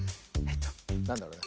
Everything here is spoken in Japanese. なんだろうな。